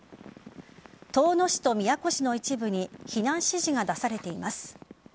遠野市と宮古市の一部に避難指示が出されています。